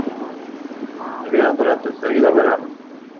Se vieron durante el cálido verano.